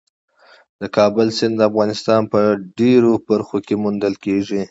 د کابل سیند د افغانستان په ډېرو برخو کې موندل کېږي.